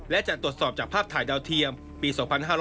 และจะตรวจสอบจากภาพถ่ายดาวเทียมปี๒๕๕๙